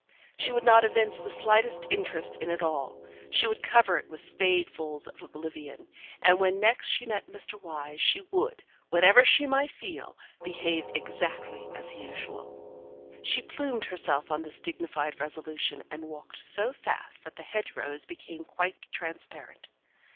She would not evince the slightest interest in it all; she would cover it with spadefuls of oblivion, and when next she met Mr. Wyse she would, whatever she might feel, behave exactly as usual. She plumed herself on this dignified resolution, and walked so fast that the hedge rows became quite transparent.